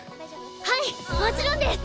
はいもちろんです！